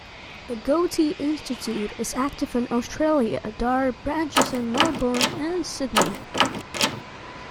The Goethe-Institut is active in Australia, there are branches in Melbourne and Sydney.